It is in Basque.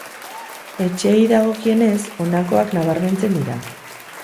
Etxeei dagokienez, honakoak nabarmentzen dira.